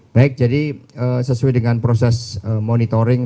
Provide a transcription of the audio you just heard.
baik jadi sesuai dengan proses monitoring